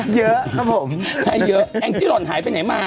เยอะครับผมให้เยอะแองจี้หล่อนหายไปไหนมา